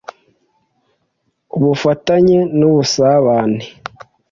u b ufata n y e n’u b u s a b a n e